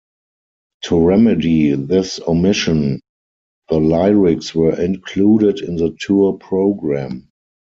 To remedy this omission, the lyrics were included in the tour programme.